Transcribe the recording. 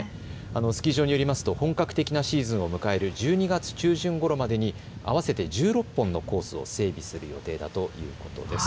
スキー場によりますと本格的なシーズンを迎える１２月中旬ごろまでに合わせて１６本のコースを整備する予定だということです。